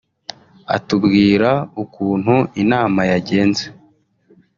atubwira ukuntu inama yagenze